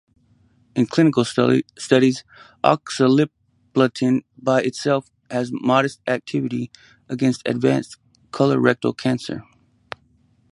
In clinical studies, oxaliplatin by itself has modest activity against advanced colorectal cancer.